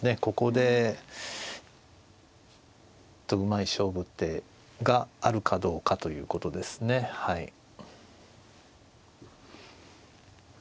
ここでうまい勝負手があるかどうかということですねはい。